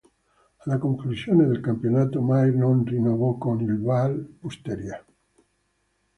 Alla conclusione del campionato Mair non rinnovò con il Val Pusteria.